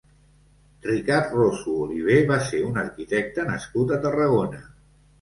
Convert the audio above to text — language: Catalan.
Ricard Roso Olivé va ser un arquitecte nascut a Tarragona.